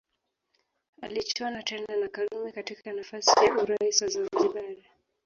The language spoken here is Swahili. Alichuana tena na Karume katika nafasi ya urais wa Zanzibari